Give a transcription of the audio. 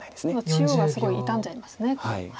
中央はすごい傷んじゃいますね黒。